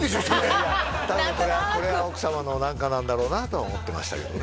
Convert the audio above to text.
いやいや多分これはこれは奥様の何かなんだろうなとは思ってましたけどね